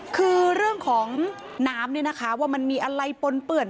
คือเรื่องของน้ำเนี่ยนะคะว่ามันมีอะไรปนเปื่อน